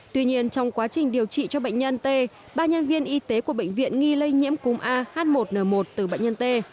tuy nhiên trong quá trình điều trị cho bệnh nhân t ba nhân viên y tế của bệnh viện nghi lây nhiễm cúm ah một n một từ bệnh nhân t